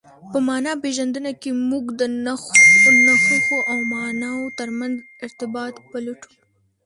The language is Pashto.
په مانا پېژندنه کښي موږ د نخښو او ماناوو ترمنځ ارتباط پلټو.